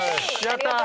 やったー！